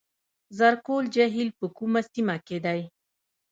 زرکول جهیل په کومه سیمه کې دی؟